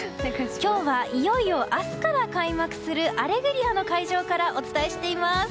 今日はいよいよ明日から開幕する「アレグリア」の会場からお伝えしています。